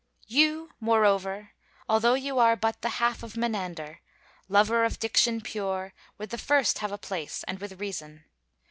] You, moreover, although you are but the half of Menander, Lover of diction pure, with the first have a place and with reason.